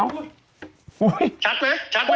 อ้าวชัดมั้ยโอ้โฮชัดมาก